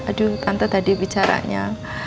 aduh tante tadi bicaranya